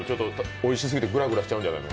おいしそうでグラグラしちゃうんじゃないの？